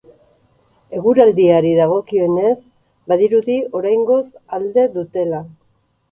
Eguraldiari dagokionez, badirudi oraingoz alde dutela.